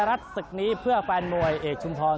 มันมันมันมัน